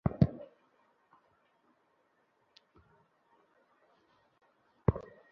তাই আজ চিদা স্যারের সাথে দেখা করা সম্ভব না।